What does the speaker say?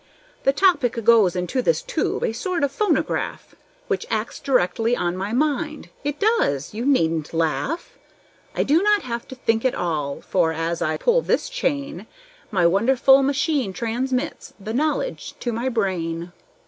"The topic goes into this tube, a sort of phonograph Which acts directly on my mind, it does, you needn't laugh! I do not have to think at all, for, as I pull this chain, My wonderful machine transmits the knowledge to my brain."